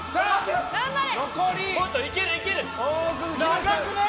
長くない？